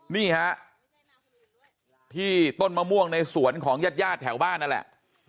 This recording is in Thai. นี่ฮะที่ต้นมะม่วงในสวนของญาติญาติแถวบ้านนั่นแหละ